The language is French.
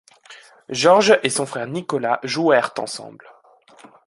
Georges et son frère Nicolas jouèrent ensemble.